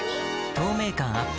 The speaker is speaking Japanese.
透明感アップ